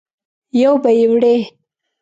یو به یې وړې.